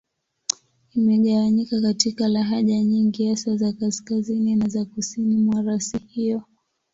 Imegawanyika katika lahaja nyingi, hasa za Kaskazini na za Kusini mwa rasi hiyo.